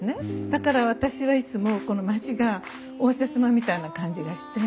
だから私はいつもこの町が応接間みたいな感じがして。